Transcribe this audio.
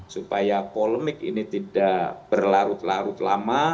supaya polemik ini tidak berlarut larut lama